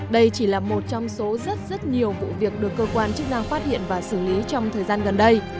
đây chỉ là một trong số rất rất nhiều vụ việc được cơ quan chức năng phát hiện và xử lý trong thời gian gần đây